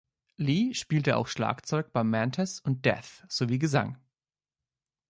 Lee spielte auch Schlagzeug bei Mantas und Death sowie Gesang.